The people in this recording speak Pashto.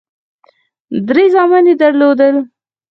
درې زامن یې درلودل.